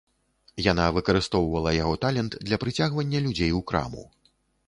Яна выкарыстоўвала яго талент для прыцягвання людзей у краму.